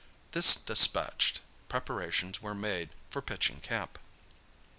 This despatched, preparations were made for pitching camp.